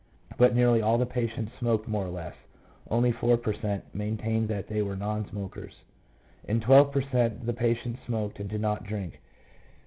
but nearly all the patients smoked more or less; only four per cent, maintained that they were non smokers. In 12 per cent, the patients smoked and did not drink.